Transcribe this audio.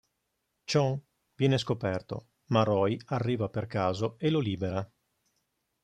Chon viene scoperto, ma Roy arriva per caso e lo libera.